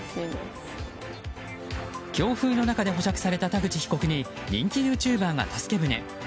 強風の中で保釈された田口被告に人気ユーチューバーが助け舟。